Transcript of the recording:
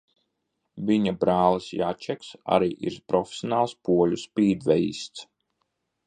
Viņa brālis Jačeks arī ir profesionāls poļu spīdvejists.